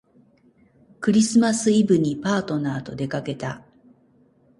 クリスマスイブにパートナーとでかけた